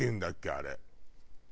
あれ。